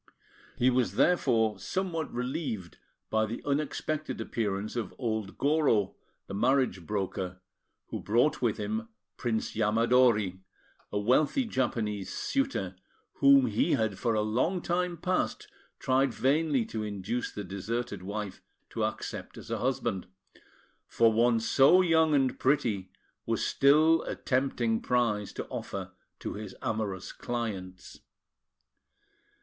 He was therefore somewhat relieved by the unexpected appearance of old Goro, the marriage broker, who brought with him Prince Yamadori, a wealthy Japanese suitor, whom he had for a long time past tried vainly to induce the deserted wife to accept as a husband, for one so young and pretty was still a tempting prize to offer to his amorous clients.